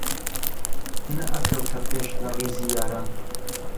نەئەکەوتە پێش لە ڕیزی یاران